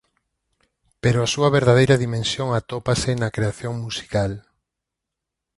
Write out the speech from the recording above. Pero a súa verdadeira dimensión atópase na creación musical.